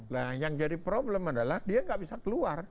nah yang jadi problem adalah dia nggak bisa keluar